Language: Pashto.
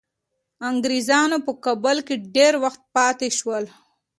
انګریزان په کابل کي ډیر وخت پاتې شول.